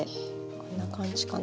こんな感じかな。